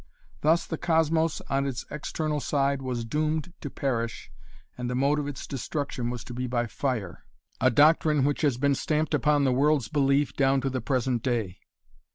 Thus the cosmos on its external side was doomed to perish and the mode of its destruction was to be by fire, a doctrine which has been stamped upon the world's belief down to the present day.